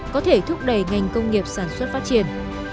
có thể thúc đẩy ngành công nghiệp sản xuất phát triển